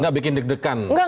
gak bikin deg degan